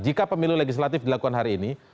jika pemilu legislatif dilakukan hari ini